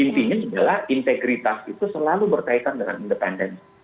intinya adalah integritas itu selalu berkaitan dengan independensi